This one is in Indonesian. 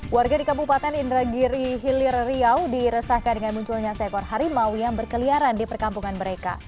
warga di kabupaten indragiri hilir riau diresahkan dengan munculnya seekor harimau yang berkeliaran di perkampungan mereka